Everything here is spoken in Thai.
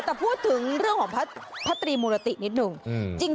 แต่พูดถึงเรื่องของพระตรีมุรตินิดนึง